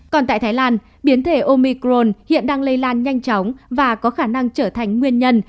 còn tại thái lan biến thể omicron hiện đang lây lan nhanh chóng và có khả năng trở thành nguyên nhân